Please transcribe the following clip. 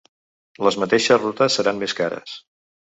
Les mateixes rutes seran més cares.